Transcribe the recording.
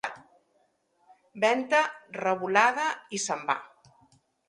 Venta revolada i se'n va.